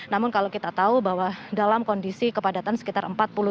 namun kalau kita tahu bahwa dalam kondisi kepadatan sekitar empat puluh lima